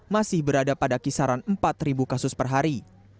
masih berada pada kisaran empat kasus per hari